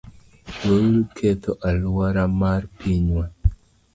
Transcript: Weuru ketho alwora mar pinywa.